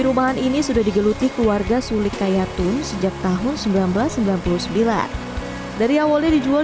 rumahan ini sudah digeluti keluarga sulik kayatun sejak tahun seribu sembilan ratus sembilan puluh sembilan dari awalnya dijual